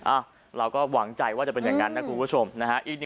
เราก็หวังใจว่าจะเป็นอย่างนั้นนะคุณผู้ชมนะฮะ